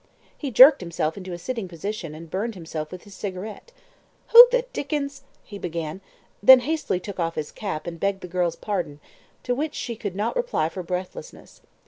He jerked himself into a sitting position, and burned himself with his cigarette. "Who the dickens " he began; then hastily took off his cap and begged the girl's pardon, to which she could not reply for breathlessness.